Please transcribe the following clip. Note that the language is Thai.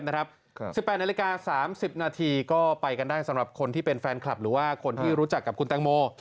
๑๘นาฬิกา๓๐นาทีก็ไปกันได้สำหรับคนที่เป็นแฟนคลับหรือว่าคนที่รู้จักกับคุณแตงโม